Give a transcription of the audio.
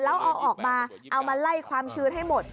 แล้วออกมามาไล่ความชื้นให้หมด